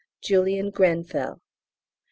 JULIAN GRENFELL. IX.